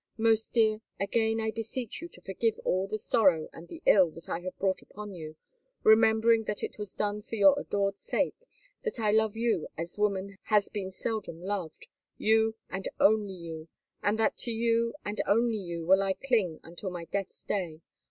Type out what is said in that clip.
Most dear, again I beseech you to forgive all the sorrow and the ill that I have brought upon you, remembering that it was done for your adored sake, that I love you as woman has been seldom loved, you and you only, and that to you, and you only, will I cling until my death's day.